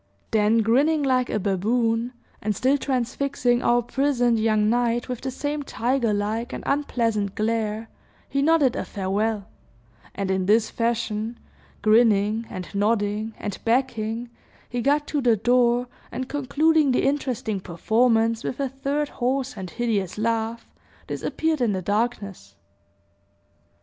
Then, grinning like a baboon, and still transfixing our puissant young knight with the same tiger like and unpleasant glare, he nodded a farewell; and in this fashion, grinning, and nodding, and backing, he got to the door, and concluding the interesting performance with a third hoarse and hideous laugh, disappeared in the darkness.